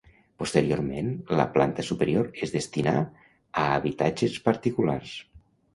Posteriorment la planta superior es destinà a habitatges particulars.